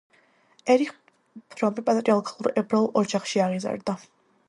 ერიხ ფრომი პატრიარქალურ ებრაულ ოჯახში აღიზარდა.